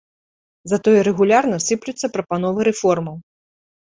Затое рэгулярна сыплюцца прапановы рэформаў.